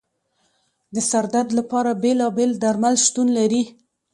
د سر درد لپاره بېلابېل درمل شتون لري.